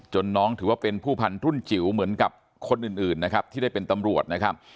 น้องถือว่าเป็นผู้พันธุรุ่นจิ๋วเหมือนกับคนอื่นนะครับที่ได้เป็นตำรวจนะครับ